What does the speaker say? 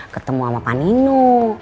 ketemu sama panino